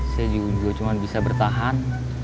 saya juga cuma bisa bertahan